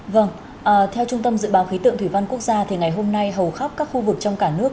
vâng theo trung tâm dự báo khí tượng thủy văn quốc gia thì ngày hôm nay hầu khắp các khu vực trong cả nước